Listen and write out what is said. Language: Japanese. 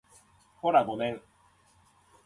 ほら、ごめん